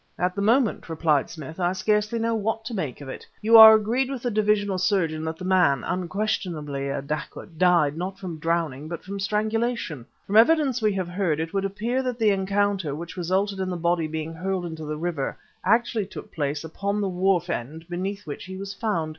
"At the moment," replied Smith, "I scarcely know what to make of it. You are agreed with the divisional surgeon that the man unquestionably a dacoit died, not from drowning, but from strangulation. From evidence we have heard, it would appear that the encounter which resulted in the body being hurled in the river, actually took place upon the wharf end beneath which he was found.